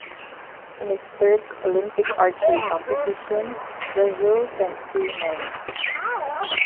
In its third Olympic archery competition, Brazil sent two men.